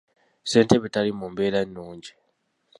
Ssentebe tali mu mbeera nnungi.